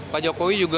pak jokowi juga